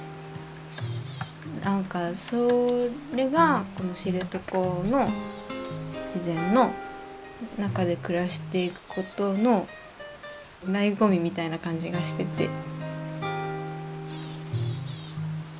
なんかそれがこの知床の自然の中で暮らしていくことの醍醐味みたいな感じがしてて。